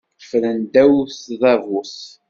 Ffren ddaw tdabut.